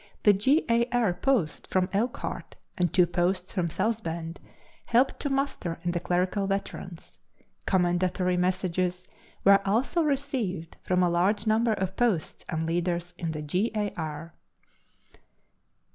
The G. A. R. post from Elkhart and two posts from South Bend helped to muster in the clerical veterans. Commendatory messages were also received from a large number of posts and leaders in the G. A. R.